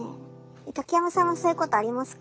竹山さんはそういうことありますか？